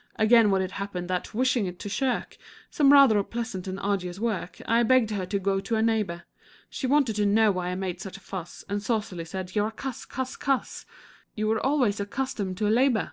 '" Again, when it happened that, wishing to shirk Some rather unpleasant and arduous work, I begged her to go to a neighbor, She wanted to know why I made such a fuss, And saucily said, "You're a cuss cuss cuss You were always ac cus tomed to labor!"